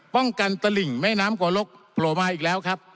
ป้องกันตลิ่งแม่น้ำโกลกโผล่มาอีกแล้วครับ